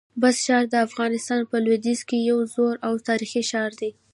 بست ښار د افغانستان په لودیځ کي یو زوړ او تاریخي ښار دی.